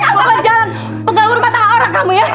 kamu yang buat jalan pengganggu rumah tangga orang kamu ya